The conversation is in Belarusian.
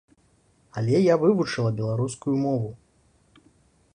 Але я вывучыла беларускую мову.